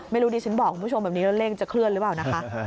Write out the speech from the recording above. ไม่รู้ดิฉันบอกคุณผู้ชมแบบนี้แล้วเร่งจะเคลื่อนหรือเปล่านะคะ